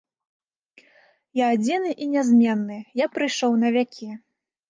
Я адзіны і нязменны, я прыйшоў на вякі.